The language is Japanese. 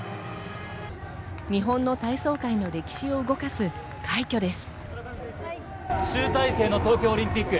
日本の体操界の歴史を動かす快挙です。